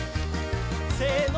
せの！